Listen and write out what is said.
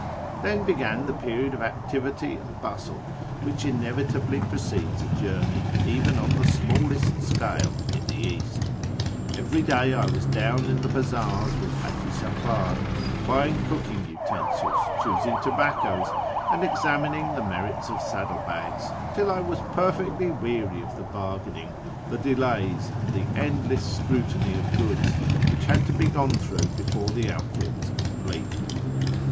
Then began the period of activity and bustle wliich inevi tably precedes a journey, even on the smallest scale, in tlie East. Every day I was down in the bazaars with Haji Safar, buying cooking utensils, choosing tobaccos, and examining the merits of saddle bags, till I was perfectly weary of the bargain ing, the delays, and the endless scrutiny of goods which had to be gone through before the outfit was complete.